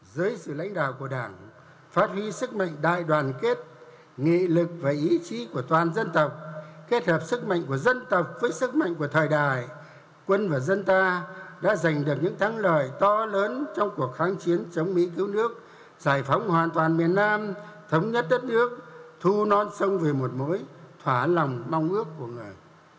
giới sự lãnh đạo của đảng phát huy sức mạnh đại đoàn kết nghị lực và ý chí của toàn dân tộc kết hợp sức mạnh của dân tộc với sức mạnh của thời đại quân và dân ta đã giành được những thắng lời to lớn trong cuộc kháng chiến chống mỹ cứu nước giải phóng hoàn toàn miền nam thống nhất đất nước thu non sông về một mối thỏa lòng mong ước của người